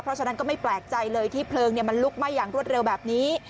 เพราะฉะนั้นก็ไม่แปลกใจเลยที่เพลิงมันลุกไหม้อย่างรวดเร็วแบบนี้